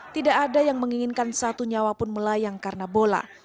tidak ada yang menginginkan satu nyawa pun melayang karena bola